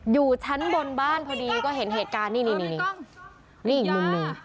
อยู่ชั้นบนบ้านพอดีก็เห็นเหตุการณ์นี่นี่อีกมุมหนึ่ง